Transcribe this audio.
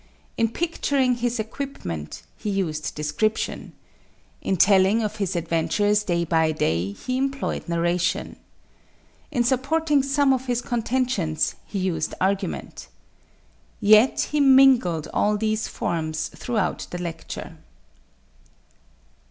In picturing his equipment he used description. In telling of his adventures day by day he employed narration. In supporting some of his contentions he used argument. Yet he mingled all these forms throughout the lecture.